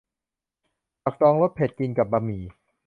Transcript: ผักดองรสเผ็ด กินกับบะหมี่